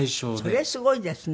それすごいですね。